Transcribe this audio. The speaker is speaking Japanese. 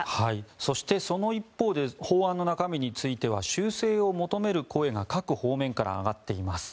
そして、その一方で法案の中身については修正を求める声が各方面から上がっています。